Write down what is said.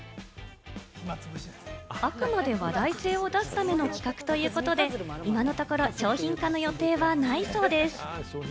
あくまで話題性を出すための企画ということで、今のところ商品化の予定はないそうです。